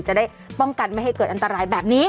จะได้ป้องกันไม่ให้เกิดอันตรายแบบนี้